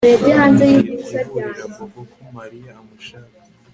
Ngiye kuburira Bobo ko Mariya amushaka